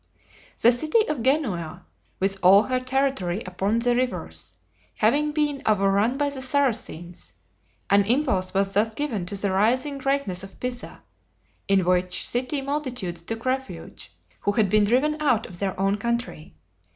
The city of Genoa, with all her territory upon the rivers, having been overrun by the Saracens, an impulse was thus given to the rising greatness of Pisa, in which city multitudes took refuge who had been driven out of their own country.